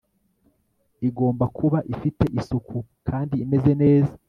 igomba kuba ifite isuku kandi imeze neza